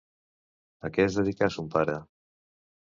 A què es dedicà son pare?